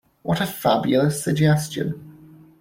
What a fabulous suggestion!